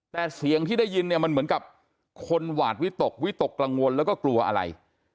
แต่เสียงที่ได้ยินเนี่ยมันเหมือนกับคนหวาดวิตกวิตกกังวลแล้วก็กลัวอะไร